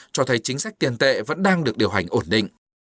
cho thấy chính sách tiền tệ vẫn đang được điều hành ổn định